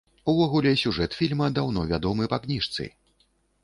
Увогуле, сюжэт фільма даўно вядомы па кніжцы.